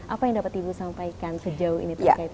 apa yang dapat ibu sampaikan sejauh ini terkait